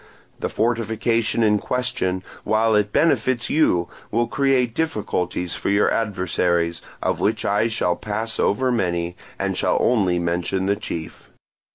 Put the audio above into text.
The fortification in question, while it benefits you, will create difficulties for your adversaries, of which I shall pass over many, and shall only mention the chief.